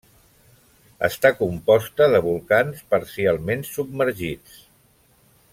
Està composta de volcans parcialment submergits.